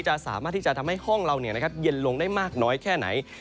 สามารถที่จะทำให้ห้องเราเย็นลงได้มากน้อยแค่ไหน